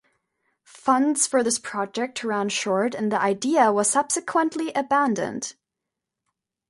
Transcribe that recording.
Funds for this project ran short and the idea was subsequently abandoned.